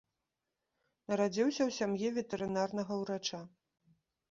Нарадзіўся ў сям'і ветэрынарнага ўрача.